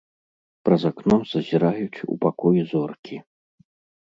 Праз акно зазіраюць у пакой зоркі.